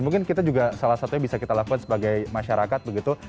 mungkin kita juga salah satunya bisa kita lakukan sebagai masyarakat begitu